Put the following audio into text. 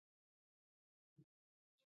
د چاپېریال پاک ساتل زموږ دنده ده.